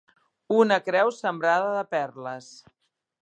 Una creu sembrada de perles.